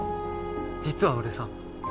実は俺さ。